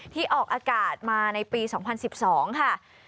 ที่ออกอากาศมาในปี๒๐๑๒ค่ะ